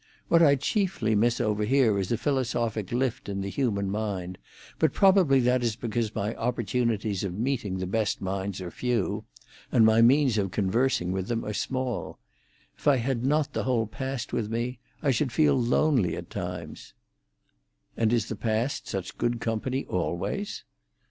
What I chiefly miss over here is a philosophic lift in the human mind, but probably that is because my opportunities of meeting the best minds are few, and my means of conversing with them are small. If I had not the whole past with me, I should feel lonely at times." "And is the past such good company always?".